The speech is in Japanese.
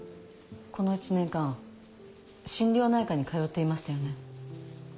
この１年間心療内科に通っていましたよね。